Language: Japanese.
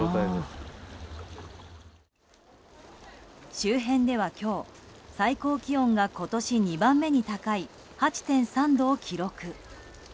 周辺では今日最高気温が今年２番目に高い８．３度を記録。